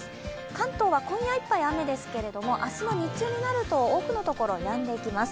関東は今夜いっぱい雨ですけども、明日の日中になると多くのところやんできます。